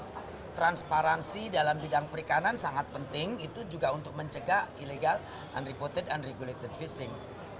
dan transparansi dalam bidang perikanan sangat penting itu juga untuk mencegah illegal unreported unregulated fishing